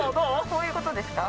こういうことですか？